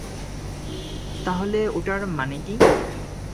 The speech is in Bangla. তাহলে ওটার মানে কী?